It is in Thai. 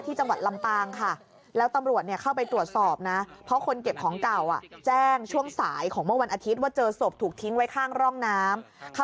ที่จังหวัดลำปางค่ะแล้วตำรวจเนี่ยเข้าไปตรวจสอบนะ